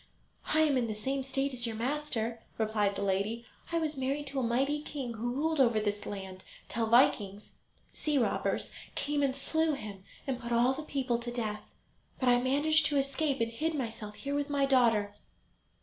"I am in the same state as your master," replied the lady; "I was married to a mighty king who ruled over this land, till Vikings [sea robbers] came and slew him and put all the people to death. But I managed to escape, and hid myself here with my daughter."